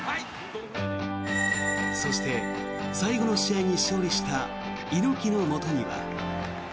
そして、最後の試合に勝利した猪木のもとには。